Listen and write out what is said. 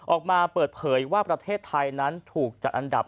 ออกมาเปิดเผยว่าประเทศไทยนั้นถูกจัดอันดับ